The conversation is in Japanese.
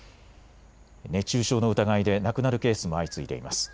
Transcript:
熱中症の疑いで亡くなるケースも相次いでいます。